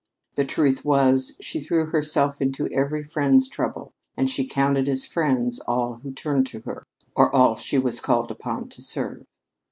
The truth was, she threw herself into every friend's trouble, and she counted as friends all who turned to her, or all whom she was called upon to serve.